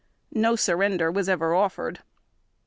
No surrender was ever offered.